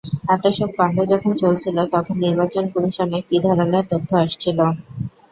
এতসব কাণ্ড যখন চলছিল তখন নির্বাচন কমিশনে কী ধরনের তথ্য আসছিল?